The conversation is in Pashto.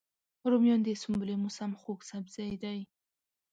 رومیان د سنبلې موسم خوږ سبزی دی